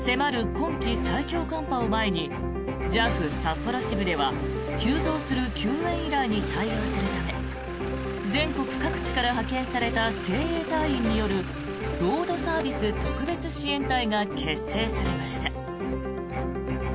今季最強寒波を前にＪＡＦ札幌支部では急増する救援依頼に対応するため全国各地から派遣された精鋭隊員によるロードサービス特別支援隊が結成されました。